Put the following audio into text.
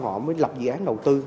họ mới lập dự án đầu tư